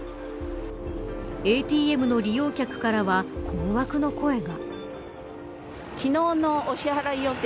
ＡＴＭの利用客からは困惑の声が。